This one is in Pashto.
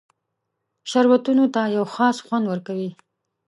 شربتونو ته یو خاص خوند ورکوي.